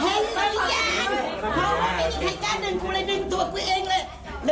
พอไม่มีใครการดึงคุณก็เริ่มดึงตัวกรีนเองเลย